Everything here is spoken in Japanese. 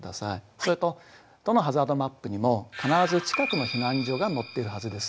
それとどのハザードマップにも必ず近くの避難所が載っているはずです。